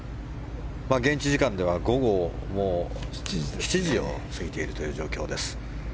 現地時間では午後７時を過ぎている状況です。